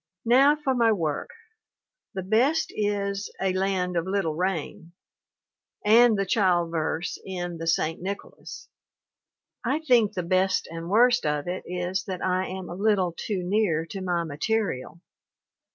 Now for my work the best is "A Land of Little Rain," and the child verse in the St. Nicholas. I think the best and worst of it is that I am a little too near to my material.